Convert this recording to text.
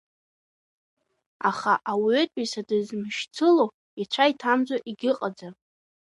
Аха ауаҩытәыҩса дызмышьцыло, ицәа иҭамӡо, егьыҟаӡам.